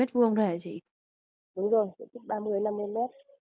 đúng rồi diện tích ba mươi năm mươi m